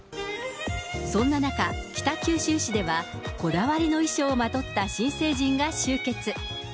そんな中、北九州市では、こだわりの衣装をまとった新成人が集結。